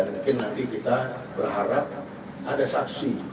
dan mungkin nanti kita berharap ada saksi